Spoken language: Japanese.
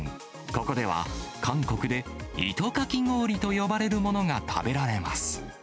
ここでは、韓国で糸かき氷と呼ばれるものが食べられます。